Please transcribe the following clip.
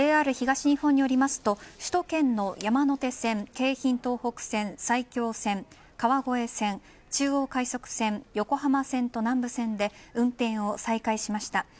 ＪＲ東日本によると首都圏の山手線、京浜東北線埼京線、川越線中央快速線、横浜線と南武線で運転を再開しました。